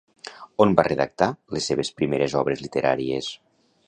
On va redactar les seves primeres obres literàries?